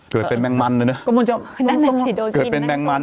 เกิดเป็นแมงมันเลยนะกำลังจะเกิดเป็นแมงมัน